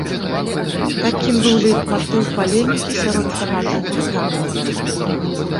Такім быў лейтматыў палемікі сярод фанатаў гурта.